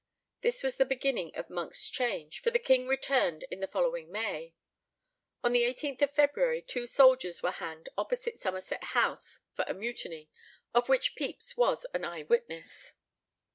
This was the beginning of Monk's change, for the king returned in the following May. On the 18th of February two soldiers were hanged opposite Somerset House for a mutiny, of which Pepys was an eye witness.